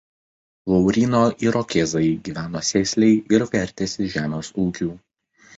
Lauryno irokėzai gyveno sėsliai ir vertėsi žemės ūkiu.